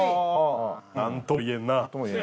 なんとも言えんな。